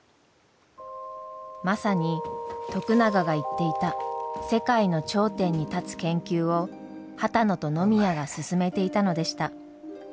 まさに徳永が言っていた世界の頂点に立つ研究を波多野と野宮が進めていたのでした。